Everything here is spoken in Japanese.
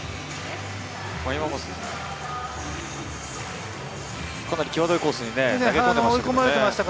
今もかなり際どいコースに投げてましたね。